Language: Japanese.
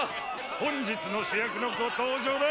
・本日の主役のご登場だ！